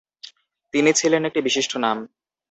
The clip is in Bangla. তিনি ছিলেন একটি বিশিষ্ট নাম।